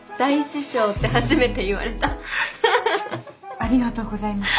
ありがとうございます。